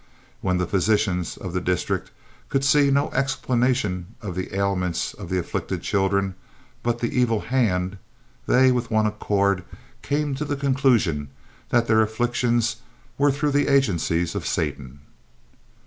When the physicians of the district could see no explanation of the ailments of the afflicted children "but the evil hand," they, with one accord, came to the conclusion that their afflictions were through the agencies of Satan.